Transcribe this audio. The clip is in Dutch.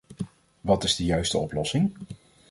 Wat is de juiste oplossing?